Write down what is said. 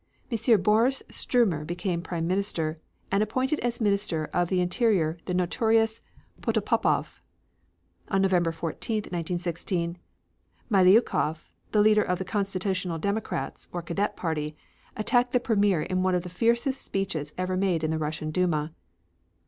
M. Boris Stuermer became Prime Minister, and appointed as Minister of the Interior the notorious Protopopov. On November 14, 1916, Miliukov, the leader of the Constitutional Democrats, or Cadet Party, attacked the Premier in one of the fiercest speeches ever made in the Russian Duma.